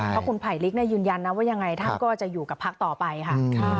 เพราะคุณไผลลิกยืนยันนะว่ายังไงท่านก็จะอยู่กับพักต่อไปค่ะ